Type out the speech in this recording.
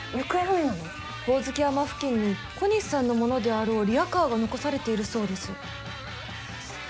ホオズキ山付近に小西さんのものであろうリアカーが残されているそうです。